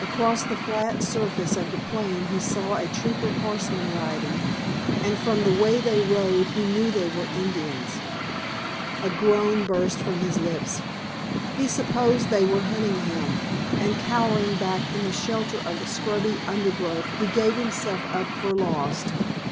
Across the flat surface of the plain he saw a troop of horsemen riding, and from the way they rode he knew they were Indians. A groan burst from his lips. He supposed they were hunting him, and cowering back in the shelter of the scrubby undergrowth he gave himself up for lost.